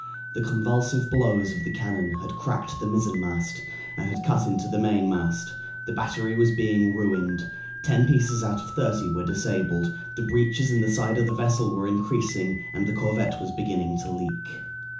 The convulsive blows of the cannon had cracked the mizzenmast, and had cut into the mainmast. The battery was being ruined. Ten pieces out of thirty were disabled; the breaches in the side of the vessel were increasing, and the corvette was beginning to leak.